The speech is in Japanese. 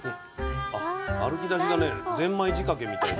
歩きだしがねぜんまい仕掛けみたいで。